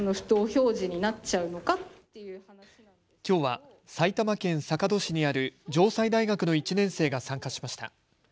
きょうは埼玉県坂戸市にある城西大学の１年生が参加しました。